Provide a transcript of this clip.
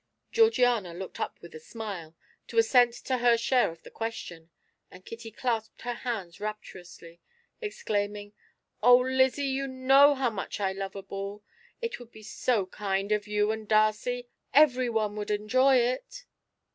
Georgiana looked up with a smile, to assent to her share of the question, and Kitty clasped her hands rapturously, exclaiming: "Oh, Lizzie, you know how much I love a ball! It would be so kind of you and Darcy! Everyone would enjoy it!"